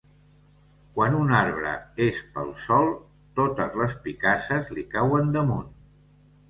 Quan un arbre és pel sòl, totes les picasses li cauen damunt.